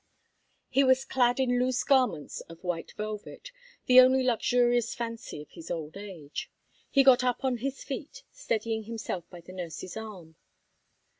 He was clad in loose garments of white velvet the only luxurious fancy of his old age. He got up on his feet, steadying himself by the nurse's arm.